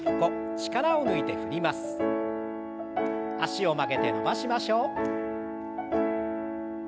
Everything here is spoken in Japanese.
脚を曲げて伸ばしましょう。